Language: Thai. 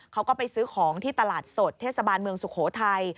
เขาก็ไปซื้อของที่ตลาดสดเทศบาลเมืองสุโขทัย